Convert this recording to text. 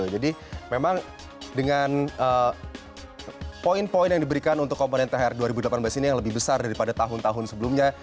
jadi memang dengan poin poin yang diberikan untuk komponen thr dua ribu delapan belas ini yang lebih besar daripada tahun tahun sebelumnya